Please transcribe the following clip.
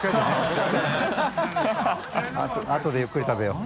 あとでゆっくり食べよう。